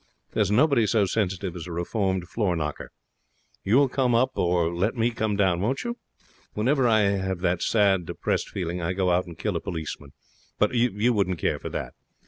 There's nobody so sensitive as a reformed floor knocker. You will come up or let me come down, won't you? Whenever I have that sad, depressed feeling, I go out and kill a policeman. But you wouldn't care for that.